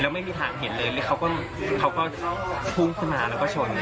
ไม่มีทางเห็นเลยเขาก็พุ่งขึ้นมาแล้วก็ชน